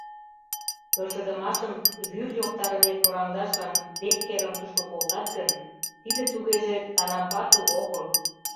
“Келшыдымашым вӱр йоктарыде кораҥдашлан” Деккерым тушко колтат гын, тиде тугеже Танабату огыл.